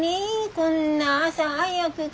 こんな朝早くから。